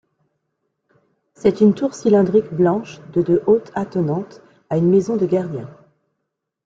C'est une tour cylindrique blanche de de haut attenante à une maison de gardien.